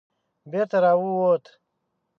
بېرته را ووت.